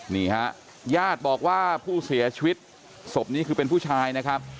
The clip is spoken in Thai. นี่ฮะญาติบอกว่าผู้เสียชีวิตศพนี้คือเป็นผู้ชายนะครับ